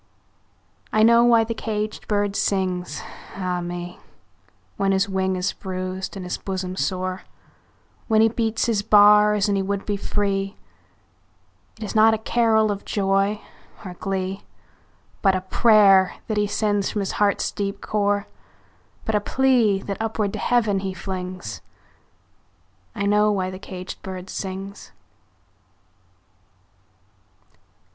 I know why the caged bird sings, ah me, When his wing is bruised and his bosom sore, When he beats his bars and he would be free; It is not a carol of joy or glee, But a prayer that he sends from his heart's deep core, But a plea, that upward to Heaven he flings I know why the caged bird sings!